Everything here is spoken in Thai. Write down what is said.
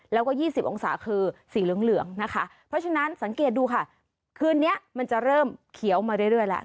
แล้วก็๒๐องศาคือสีเหลืองนะคะเพราะฉะนั้นสังเกตดูค่ะคืนนี้มันจะเริ่มเขียวมาเรื่อยแล้ว